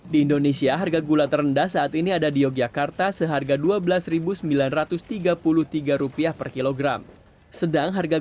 di indonesia harga gula terendah saat ini ada di yogyakarta seharga dua belas sembilan ratus tiga puluh tiga rupiah per kilogram harga